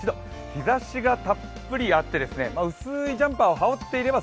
日ざしがたっぷりあって薄いジャンパーを羽織っていれば